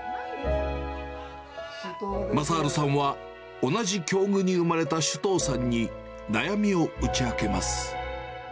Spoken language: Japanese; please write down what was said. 雅治さんは、同じ境遇に生まれた首藤さんに悩みを打ち明けます。